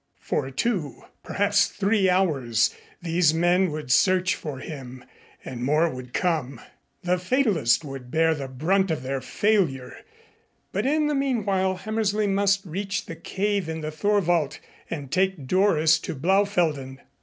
For two, perhaps three hours, these men would search for him, and more would come. The Fatalist would bear the brunt of their failure, but in the meanwhile Hammersley must reach the cave in the Thorwald and take Doris to Blaufelden.